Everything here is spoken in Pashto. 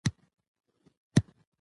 زه د نفس کنټرول مهم ګڼم.